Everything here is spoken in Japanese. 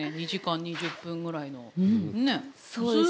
２時間２０分ぐらいの。